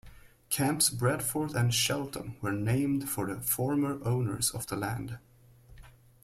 Camps Bradford and Shelton were named for the former owners of the land.